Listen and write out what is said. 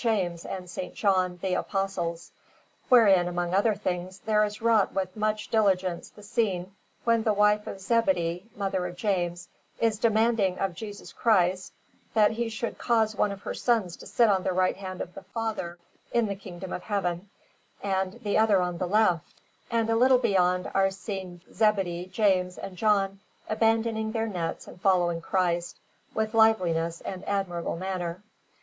James and S. John, the Apostles, wherein, among other things, there is wrought with much diligence the scene when the wife of Zebedee, mother of James, is demanding of Jesus Christ that He should cause one of her sons to sit on the right hand of the Father in the Kingdom of Heaven, and the other on the left; and a little beyond are seen Zebedee, James, and John abandoning their nets and following Christ, with liveliness and admirable manner.